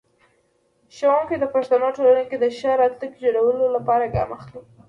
ښوونکی د پښتنو ټولنې کې د ښه راتلونکي جوړولو لپاره ګام اخلي.